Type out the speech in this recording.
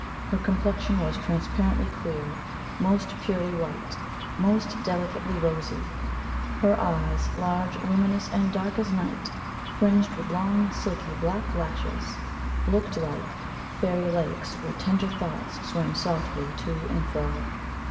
Her complexion was transparently clear most purely white, most delicately rosy, Her eyes large, luminous and dark as night, fringed with long silky black lashes looked like "Fairy lakes, where tender thoughts Swam softly to and fro."